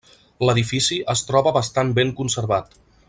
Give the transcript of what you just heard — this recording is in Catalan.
L'edifici es troba bastant ben conservat.